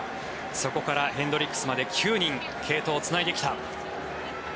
そこからヘンドリックスまで９人継投をつないできた。